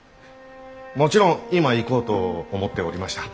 もちろん今行こうと思っておりました。